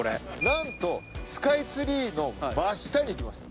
何とスカイツリーの真下に行きます。